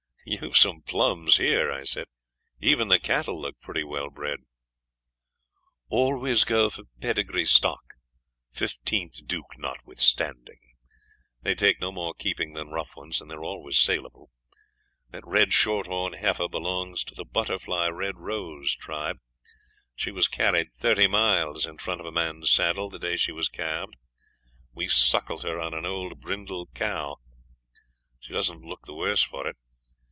'You've some plums here,' I said. 'Even the cattle look pretty well bred.' 'Always go for pedigree stock, Fifteenth Duke notwithstanding. They take no more keep than rough ones, and they're always saleable. That red short horn heifer belongs to the Butterfly Red Rose tribe; she was carried thirty miles in front of a man's saddle the day she was calved. We suckled her on an old brindle cow; she doesn't look the worse for it.